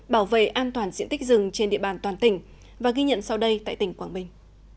bảo vệ an toàn diện tích rừng trên địa bàn toàn tỉnh và ghi nhận sau đây tại tỉnh quảng bình